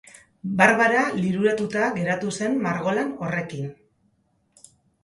Barbara liluratuta geratu zen margolan horrekin.